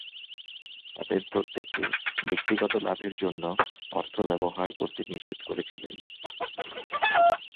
তাদের প্রত্যেককে ব্যক্তিগত লাভের জন্য অর্থ ব্যবহার করতে নিষেধ করেছিলেন।